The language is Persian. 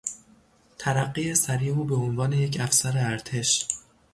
ترقی سریع او به عنوان یک افسر ارتش